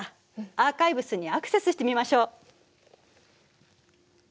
アーカイブスにアクセスしてみましょう。